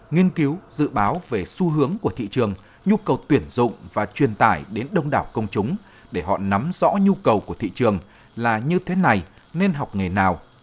nghiên cứu dự báo về xu hướng của thị trường nhu cầu tuyển dụng và truyền tải đến đông đảo công chúng để họ nắm rõ nhu cầu của thị trường là như thế này nên học nghề nào